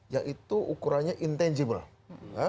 yang itu ukurannya intangible